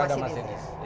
harus ada masinis